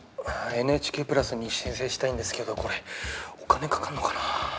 ＮＨＫプラスに申請したいんですけどこれお金かかんのかな？